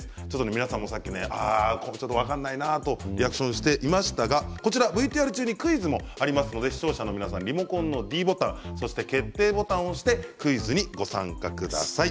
皆さんもさっきちょっと分からないなとリアクションしていましたがこちらＶＴＲ中にクイズもありますので視聴者の皆さんもリモコンのｄボタンそして決定ボタンを押してクイズにご参加ください。